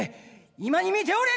今に見ておれ！」。